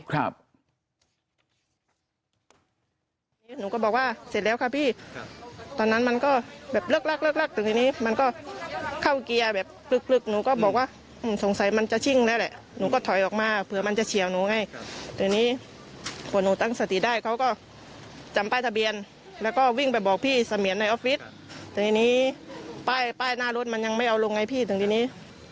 หน้าที่เขาเป็นยังไงเขาดูเหมือนคนที่มีเมาหรือเบลอหรือท้เลอะอะไรอย่างนี้